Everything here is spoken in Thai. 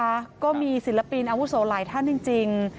แล้วก็มีศิลปินอาวุโสไหลท่านจริง